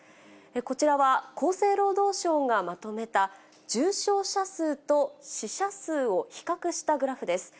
こちらは、厚生労働省がまとめた、重症者数と死者数を比較したグラフです。